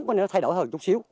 cho nên nó thay đổi hơn chút xíu